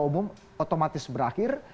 ketua umum otomatis berakhir